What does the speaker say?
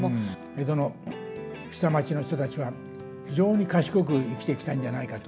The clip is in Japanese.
江戸の下町の人たちは、非常に賢く生きてきたんじゃないかと。